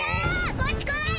こっちこないで！